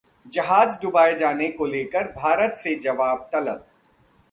जहाज डुबाए जाने को लेकर भारत से जवाब तलब